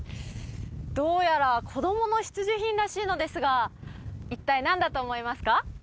どうやら子供の必需品らしいのですが一体何だと思いますか？